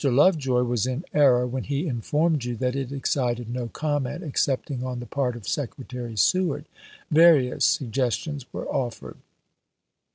Lovejoy was in error when he informed you that it excited no comment excepting on the part of Secretary Seward. Various suggestions were offered."